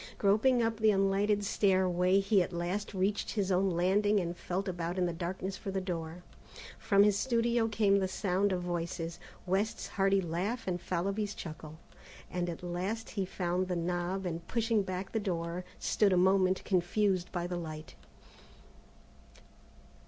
Groping up the unlighted stairway, he at last reached his own landing and felt about in the darkness for the door. From his studio came the sound of voices, West's hearty laugh and Fallowby's chuckle, and at last he found the knob and, pushing back the door, stood a moment confused by the light.